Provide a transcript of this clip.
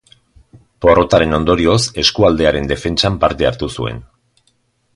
Porrotaren ondorioz, eskualdearen defentsan parte hartu zuen.